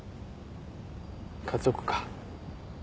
家族か。